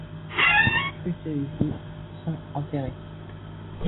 Plus de y sont enterrés.